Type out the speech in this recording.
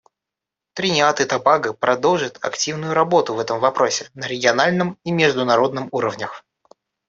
Тринидад и Тобаго продолжит активную работу в этом вопросе на региональном и международном уровнях.